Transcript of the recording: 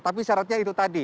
tapi syaratnya itu tadi